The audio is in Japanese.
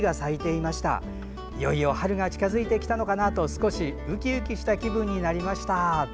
いよいよ春が近づいてきたのかと少しウキウキした気分になりました。